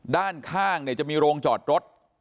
ด้านข้างจะมีโรงจอดรถ